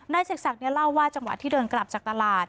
เสกศักดิ์เล่าว่าจังหวะที่เดินกลับจากตลาด